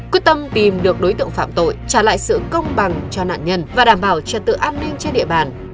quyết tâm tìm được đối tượng phạm tội trả lại sự công bằng cho nạn nhân và đảm bảo trật tự an ninh trên địa bàn